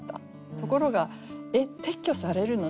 ところが「えっ撤去されるの？